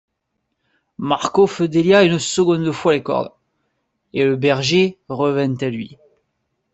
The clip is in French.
Marcof délia une seconde fois les cordes, et le berger revint à lui.